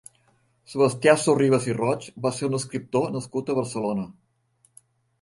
Sebastià Sorribas i Roig va ser un escriptor nascut a Barcelona.